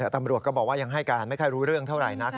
ตำรวจก็บอกว่ายังให้การไม่ค่อยรู้เรื่องเท่าไหร่นะ